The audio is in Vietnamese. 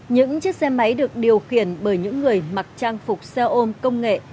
những chiếc xe máy được điều khiển bởi những người mặc trang phục xe ôm công nghệ